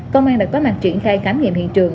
công an đã có mặt triển khai khám nghiệm hiện trường